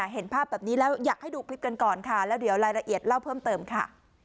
เห็นภาพแบบนี้แล้วอยากให้ดูคลิปกันก่อนค่ะแล้วเดี๋ยวรายละเอียดเล่าเพิ่มเติมค่ะ